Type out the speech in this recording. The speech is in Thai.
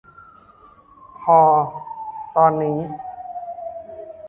พอตอนนี้